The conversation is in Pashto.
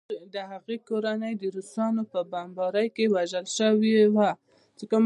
د هغې کورنۍ د روسانو په بمبارۍ کې وژل شوې وه